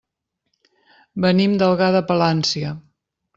Venim d'Algar de Palància.